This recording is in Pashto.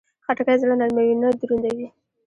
خټکی زړه نرموي، نه دروندوي.